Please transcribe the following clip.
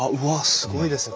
すごいですね！